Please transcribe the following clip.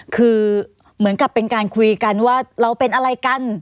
คือเหมือนกับเป็นการคุยกันว่าเราเป็นอะไรกัน